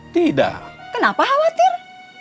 tidak kenapa khawatir